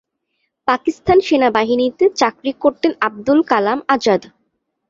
পাকিস্তান সেনাবাহিনীতে চাকরি করতেন আবুল কালাম আজাদ।